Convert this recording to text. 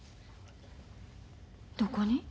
どこに？